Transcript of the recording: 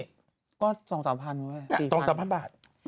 ก็สองอันสองพันเห็นไหมสี่พันบาทสองอันสองพันบาท